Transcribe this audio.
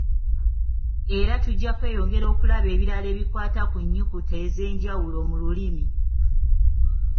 Era tujja kweyongera okulaba ebirala ebikwata ku nnyukuta ez'enjawulo mu lulimi.